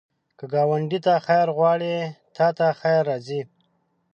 که ګاونډي ته خیر غواړې، تا ته خیر راځي